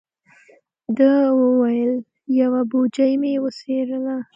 ده و ویل: یوه بوجۍ مې وڅیرله.